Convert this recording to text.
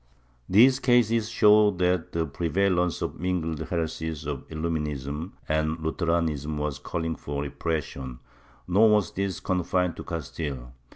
These cases show that the prevalence of the mingled heresies of Illuminism and Lutheranism was calling for repression, nor was this confined to Castile.